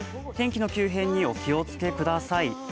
天気の急変にお気をつけください。